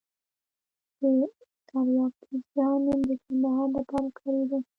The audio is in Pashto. د اراکوزیا نوم د کندهار لپاره کاریده